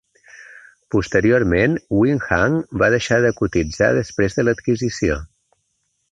Posteriorment, Wing Hang va deixar de cotitzar després de l'adquisició.